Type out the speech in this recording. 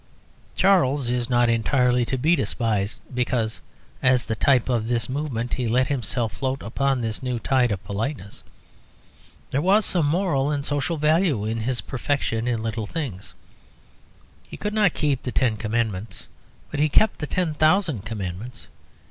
Charles is not entirely to be despised because, as the type of this movement, he let himself float upon this new tide of politeness. There was some moral and social value in his perfection in little things. He could not keep the Ten Commandments, but he kept the ten thousand commandments.